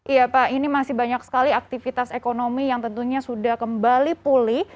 iya pak ini masih banyak sekali aktivitas ekonomi yang tentunya sudah kembali pulih